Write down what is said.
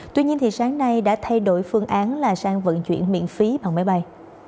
tuy nhiên sáng nay đã thay đổi phương án là sang vận chuyển miễn phí bằng máy bay